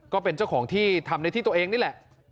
ก็เป็นเจ้าของที่ทำในที่ตัวเองนี่แหละ